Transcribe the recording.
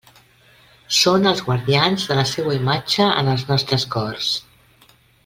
Són els guardians de la seua imatge en els nostres cors.